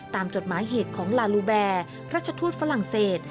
จดหมายเหตุของลาลูแบร์พระชทูตฝรั่งเศส